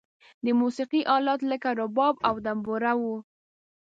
د موسیقی آلات لکه رباب او دمبوره و.